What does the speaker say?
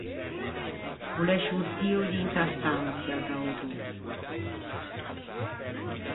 O l’é sciortio d’inta stançia da-o dô.